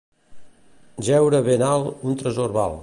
Jeure ben alt un tresor val.